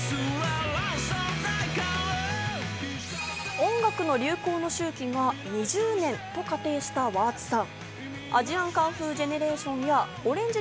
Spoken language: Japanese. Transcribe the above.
音楽の流行の周期は２０年と仮定したＷｕｒｔＳさん。